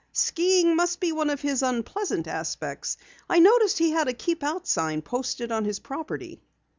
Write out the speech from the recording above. "Skiing must be one of his unpleasant aspects. I noticed he had a 'Keep Out' sign posted on his property."